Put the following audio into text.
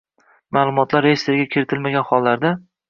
ma’lumotlar reyestrga kiritilmagan hollarda